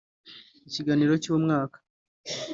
Ikiganiro cy’umwaka